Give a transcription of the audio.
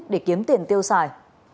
để kiếm tiền tiêu xài